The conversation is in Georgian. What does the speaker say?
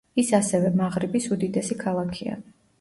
ის ასევე მაღრიბის უდიდესი ქალაქია.